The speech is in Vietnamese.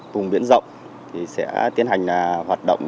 vùng biển rộng sẽ tiến hành hoạt động